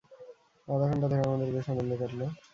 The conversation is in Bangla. আধঘণ্টা ধরে আমাদের বেশ আনন্দে কাটল।